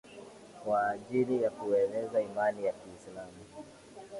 kwa ajili ya kueneza Imani ya Kiislamu